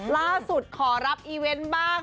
ล่าสุดขอรับอีเว่นบ้าง